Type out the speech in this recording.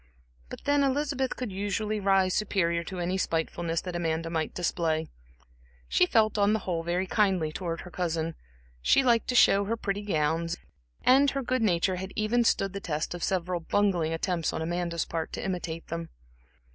But then Elizabeth could usually rise superior to any spitefulness that Amanda might display. She felt on the whole very kindly towards her cousin, she liked to show her pretty gowns, and her good nature had even stood the test of several bungling attempts on Amanda's part to imitate them.